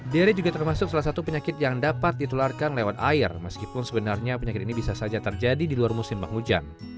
dere juga termasuk salah satu penyakit yang dapat ditularkan lewat air meskipun sebenarnya penyakit ini bisa saja terjadi di luar musim penghujan